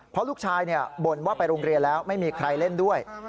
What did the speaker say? เพราะลูกชายบ่นว่าไปโรงเรียนแล้วไม่มีใครเล่นด้วย